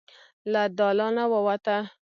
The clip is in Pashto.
له دالانه ووته.